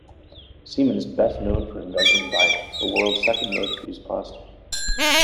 Semon is best known for inventing vinyl, the world's second most used plastic.